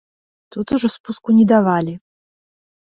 Тут ужо спуску не давалі.